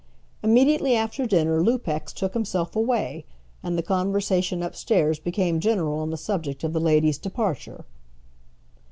Immediately after dinner Lupex took himself away, and the conversation upstairs became general on the subject of the lady's departure.